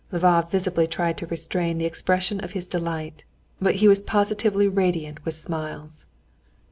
Lvov visibly tried to restrain the expression of his delight, but he was positively radiant with smiles.